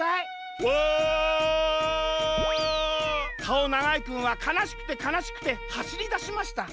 かおながいくんはかなしくてかなしくてはしりだしました。